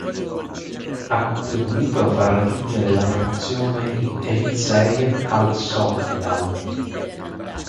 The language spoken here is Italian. Ha contribuito a far raggiungere la promozione in Eliteserien al Sogndal.